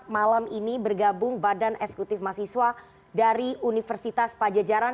malam ini bergabung badan eksekutif mahasiswa dari universitas pajajaran